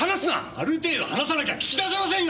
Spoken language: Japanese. ある程度話さなきゃ聞き出せませんよ。